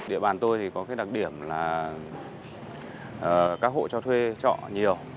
địa bàn tôi thì có cái đặc điểm là các hộ cho thuê trọ nhiều